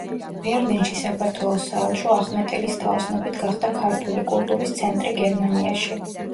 ბერლინში საქართველოს საელჩო ახმეტელის თაოსნობით გახდა ქართული კულტურის ცენტრი გერმანიაში.